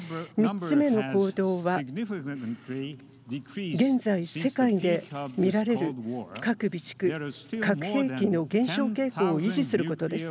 ３つ目の行動は現在、世界で見られる核備蓄、核兵器の減少傾向を維持することです。